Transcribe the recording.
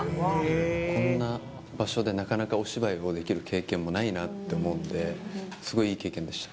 こんな場所でなかなかお芝居をできる経験もないなと思うので、すごいいい経験でした。